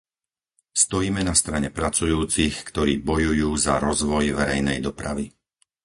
Stojíme na strane pracujúcich, ktorí bojujú za rozvoj verejnej dopravy.